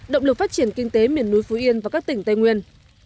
động lực phát triển kinh tế miền núi phú yên và các tỉnh tây nguyên